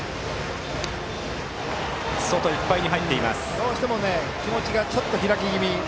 どうしても気持ちがちょっと開き気味。